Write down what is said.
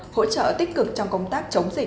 hỗ trợ tích cực trong công tác chống dịch